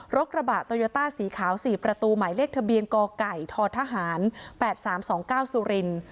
รกระบะโตยต้าสีขาวสี่ประตูหมายเลขทะเบียนกไก่ททหารแปดสามสองเก้าสุริน